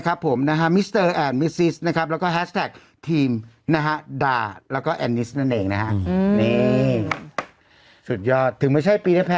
คุณแม่ดูสิถ้าอย่างนี้ไม่มีคนจีบ